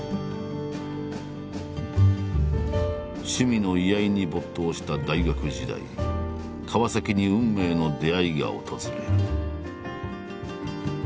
趣味の居合に没頭した大学時代川に運命の出会いが訪れる。